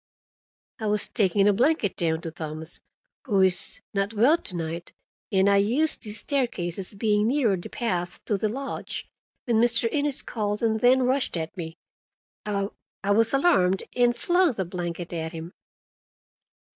"I was taking a blanket down to Thomas, who is—not well to night, and I used this staircase, as being nearer the path to the lodge. When—Mr. Innes called and then rushed at me, I—I was alarmed, and flung the blanket at him."